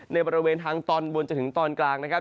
ในบริเวณทางตอนบนจนถึงตอนกลางนะครับ